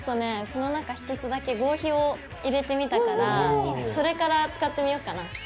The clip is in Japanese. この中１つだけ合皮を入れてみたからそれから使ってみようかな。